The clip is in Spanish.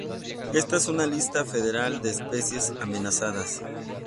Esta es una lista federal de especies amenazadas.